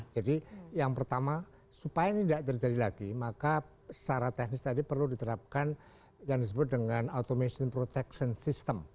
jadi yang pertama supaya ini enggak terjadi lagi maka secara teknis tadi perlu diterapkan yang disebut dengan automation protection system